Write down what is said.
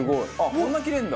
こんな切れるんだ。